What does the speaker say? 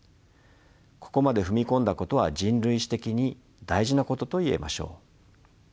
ここまで踏み込んだことは人類史的に大事なことと言えましょう。